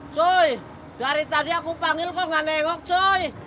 cuy dari tadi aku panggil kok gak nengok cuy